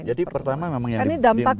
jadi pertama memang yang dibentuk